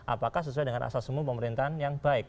apakah sesuai dengan asas semua pemerintahan yang baik